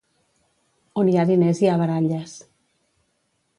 On hi ha diners hi ha baralles.